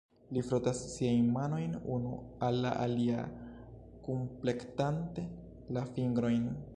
Li frotas siajn manojn unu al la alia kunplektante la fingrojn.